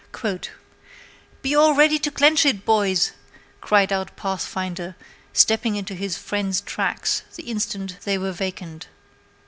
"'Be all ready to clench it, boys!' cried out Pathfinder, stepping into his friend's tracks the instant they were vacant.